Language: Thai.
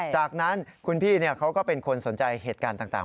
จากนั้นคุณพี่เขาก็เป็นคนสนใจเหตุการณ์ต่าง